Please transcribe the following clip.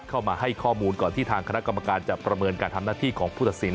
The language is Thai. เข้ามาให้ข้อมูลก่อนที่ทางคณะกรรมการจะประเมินการทำหน้าที่ของผู้ตัดสิน